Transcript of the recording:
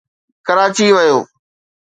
ڪراچي ويو.